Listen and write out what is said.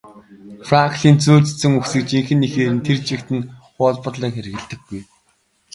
Франклин зүйр цэцэн үгсийг жинхэнэ эхээр нь тэр чигт нь хуулбарлан хэрэглэдэггүй.